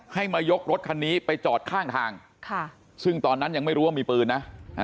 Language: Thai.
ให้มายกรถคันนี้ไปจอดข้างทางซึ่งตอนนั้นยังไม่รู้ว่ามีปืนนะ